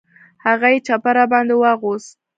هغه یې چپه را باندې واغوست.